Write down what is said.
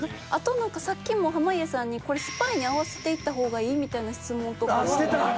あとさっきも濱家さんに「これスパイに合わせていった方がいい？」みたいな質問とか。あっしてた。